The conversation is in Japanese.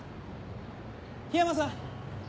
・緋山さん！